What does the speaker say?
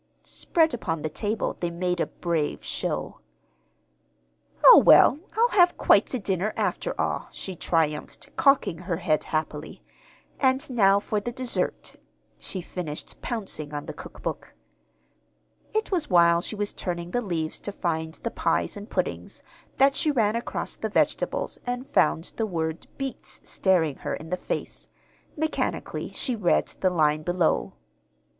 Spread upon the table they made a brave show. "Oh, well, I'll have quite a dinner, after all," she triumphed, cocking her head happily. "And now for the dessert," she finished, pouncing on the cookbook. It was while she was turning the leaves to find the pies and puddings that she ran across the vegetables and found the word "beets" staring her in the face. Mechanically she read the line below.